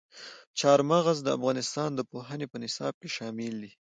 چار مغز د افغانستان د پوهنې په نصاب کې شامل دي.